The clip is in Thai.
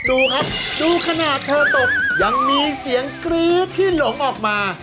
ดูครับดูขนาดเธอตกยังมีเสียงกรี๊ดที่หลงออกมา